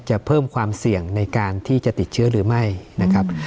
เพิ่มความเสี่ยงในการที่จะติดเชื้อหรือไม่นะครับ